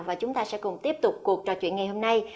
và chúng ta sẽ cùng tiếp tục cuộc trò chuyện ngày hôm nay